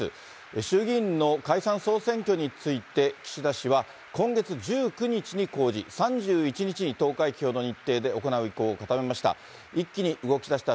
衆議院の解散・総選挙について、岸田氏は、今月１９日に公示、３１日に投開票の日程で行う意向を固めました。